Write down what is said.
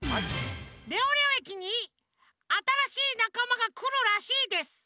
レオレオ駅にあたらしいなかまがくるらしいです。